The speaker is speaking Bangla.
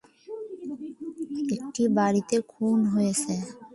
একটি বাড়িতে খুন হয়েছে।